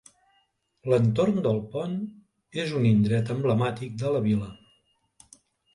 L'entorn del pont és un indret emblemàtic de la vila.